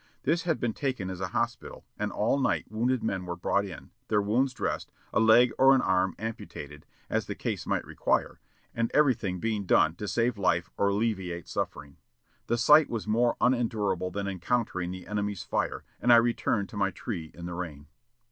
This had been taken as a hospital, and all night wounded men were brought in, their wounds dressed, a leg or an arm amputated, as the case might require, and everything being done to save life or alleviate suffering. The sight was more unendurable than encountering the enemy's fire, and I returned to my tree in the rain."